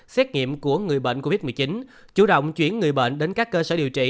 xét nghiệm của người bệnh covid một mươi chín chủ động chuyển người bệnh đến các cơ sở điều trị